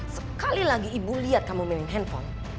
sekali lagi ibu lihat kamu minum handphone